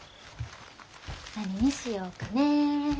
何にしようかね。